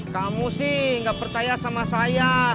kamu sih nggak percaya sama saya